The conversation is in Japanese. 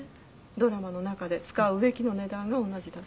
「ドラマの中で使う植木の値段が同じだった」